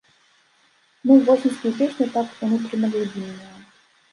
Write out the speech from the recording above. Ну восеньскія песні, так, унутрана-глыбінныя.